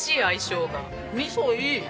味噌いい！